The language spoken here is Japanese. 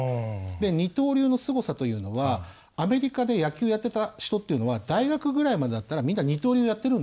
二刀流のすごさというのはアメリカで野球をやってた人っていうのは大学ぐらいまでだったらみんな二刀流やってるんです。